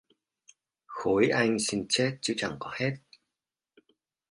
Khối Anh xin chết chết chứ chẳng có hết